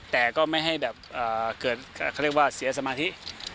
แต่ก็ไม่ให้แบบเกิดเขาเรียกว่าเสียสมาธิ